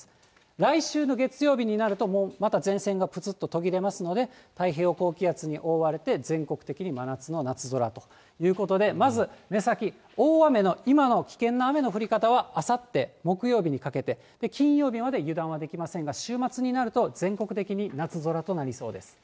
来週の月曜日になると、もうまた前線がぷつっと途切れますので、太平洋高気圧に覆われて全国的に真夏の夏空ということで、まず目先、大雨の今の危険な雨の降り方はあさって木曜日にかけて、金曜日まで油断はできませんが、週末になると、全国的に夏空となりそうです。